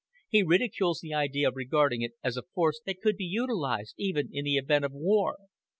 He ridicules the idea of regarding it as a force that could be utilized, even in the event of war."